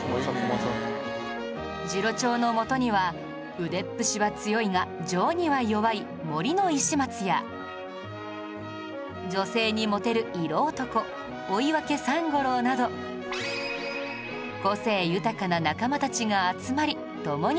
次郎長のもとには腕っ節は強いが情には弱い森の石松や女性にモテる色男追分三五郎など個性豊かな仲間たちが集まり共に戦います